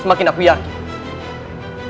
semakin aku yakin